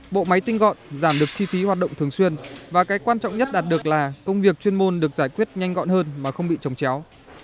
bộ máy tinh gọn giảm được chi phí hoạt động thường xuyên và cái quan trọng nhất đạt được là công việc chuyên môn được giải quyết nhanh gọn hơn mà không bị trồng chéo